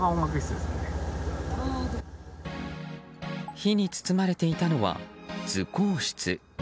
火に包まれていたのは図工室。